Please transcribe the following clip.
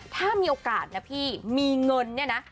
ถ้ามีโอกาสนะพี่มีเงินเนี่ยนะ